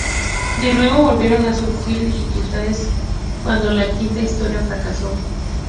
De nuevo, volvieron a surgir dificultades cuando la quinta historia fracasó.